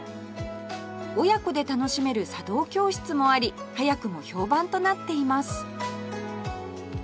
親子で楽しめる茶道教室もあり早くも評判となっています